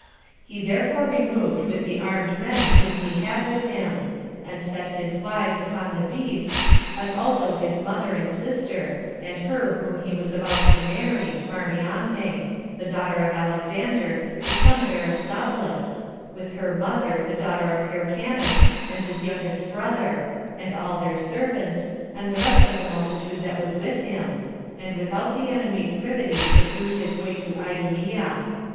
He therefore removed with the armed men whom he had with him; and set his wives upon the beasts, as also his mother, and sister, and her whom he was about to marry, [Mariamne,] the daughter of Alexander, the son of Aristobulus, with her mother, the daughter of Hyrcanus, and his youngest brother, and all their servants, and the rest of the multitude that was with him, and without the enemy's privity pursued his way to Idumea.